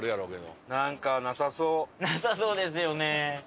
なさそうですよね。